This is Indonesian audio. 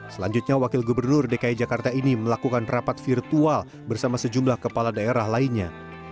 selanjutnya wakil gubernur dki jakarta ini melakukan rapat virtual bersama sejumlah kepala daerah lainnya